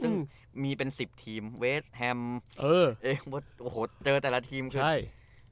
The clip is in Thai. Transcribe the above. ซึ่งมีเป็น๑๐ทีมเวสแฮมเจอแต่ละทีมคือ